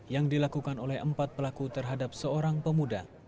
yang dilakukan oleh empat pelaku terhadap seorang pemuda